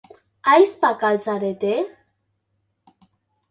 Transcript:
Ahizpak al zarete?